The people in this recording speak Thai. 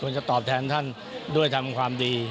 จะตอบแทนท่านด้วยทำความดี